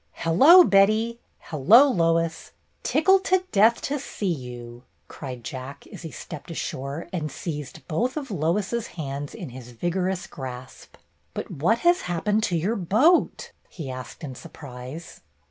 "Hello, Betty! Hello, Lois! Tickled to death to see you!" cried Jack, as he stepped ashore and seized both of Lois's hands in his vigorous grasp. "But what has happened to your boat ?" he asked in surprise.